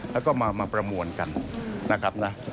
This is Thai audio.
แล้วก็มาประมวลกันนะครับนะ